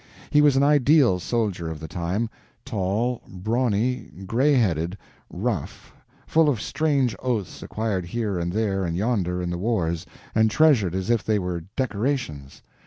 He was an ideal soldier of the time; tall, brawny, gray headed, rough, full of strange oaths acquired here and there and yonder in the wars and treasured as if they were decorations.